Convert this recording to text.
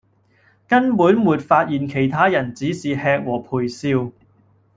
根本沒發現其他人只是吃和陪笑